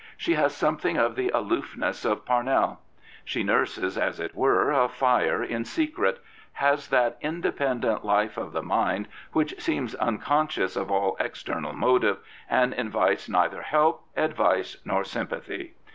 She has something of the aloofness of Parnell. She nurses, as it were, a fire in secret, has that independent life of the mind which seems xmconscious of all ex ternal motive, and invites neither help, advice nor sympathy.